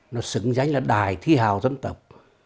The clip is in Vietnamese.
nó xứng danh là đại thế hào dân tộc